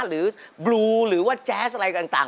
หรือบลูหรือว่าแจ๊สอะไรต่าง